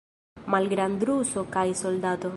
Malgrandruso kaj soldato.